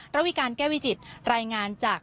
ระวิการแก้วิจิตรายงานจาก